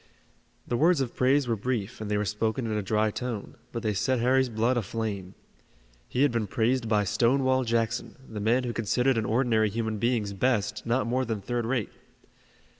The words of praise were brief, and they were spoken in a dry tone, but they set Harry's blood aflame. He had been praised by Stonewall Jackson, the man who considered an ordinary human being's best not more than third rate.